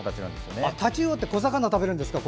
タチウオって小魚を食べるんですか。